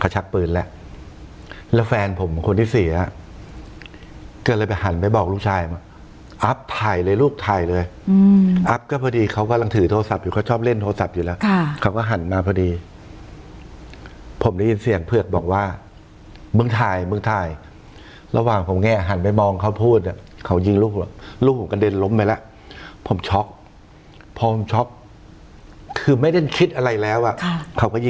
หันไปบอกลูกชายมาอัพถ่ายเลยลูกถ่ายเลยอืมอัพก็พอดีเขากำลังถือโทรศัพท์อยู่เขาชอบเล่นโทรศัพท์อยู่แล้วค่ะเขาก็หันมาพอดีผมได้ยินเสียงเผือกบอกว่ามึงถ่ายมึงถ่ายระหว่างผมแง่หันไปมองเขาพูดอะเขายิงลูกลูกผมกระเด็นล้มไปแล้วผมช็อคพอผมช็อคคือไม่ได้คิดอะไรแล้วอะค่ะ